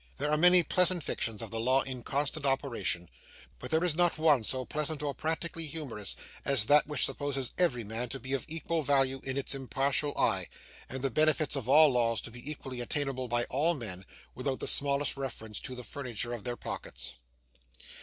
There are many pleasant fictions of the law in constant operation, but there is not one so pleasant or practically humorous as that which supposes every man to be of equal value in its impartial eye, and the benefits of all laws to be equally attainable by all men, without the smallest reference to the furniture of their pockets.